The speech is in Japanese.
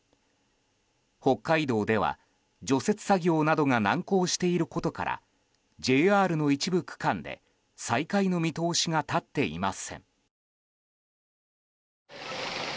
北海道では、除雪作業などが難航していることからＪＲの一部区間で再開の見通しが立っていません。